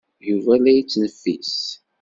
Yuba la yettneffis.